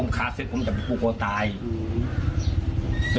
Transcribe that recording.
ไม่ยอมไม่ยอมไม่ยอม